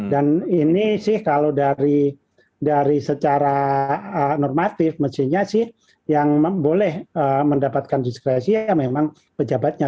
dan ini sih kalau dari secara normatif mestinya sih yang boleh mendapatkan diskresi ya memang pejabatnya